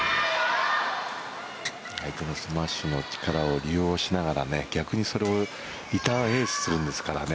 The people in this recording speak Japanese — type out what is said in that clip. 相手のスマッシュの力を利用しながらね、逆にそれをリターンエースするんですからね